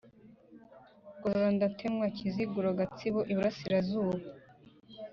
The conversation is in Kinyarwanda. Gorora Ndatemwa KiziguroGatsibo Iburasirazuba